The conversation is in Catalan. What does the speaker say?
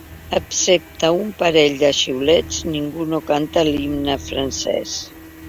Excepte un parell de xiulets, ningú no canta l’himne francès.